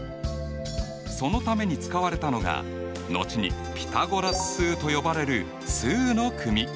そのために使われたのが後にピタゴラス数と呼ばれる数の組。